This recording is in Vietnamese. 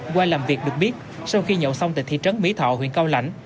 qua làm việc được biết sau khi nhậu xong tại thị trấn mỹ thọ huyện cao lãnh